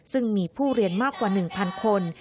ซึ่งมีผู้เรียนมากกว่า๑๐๐คน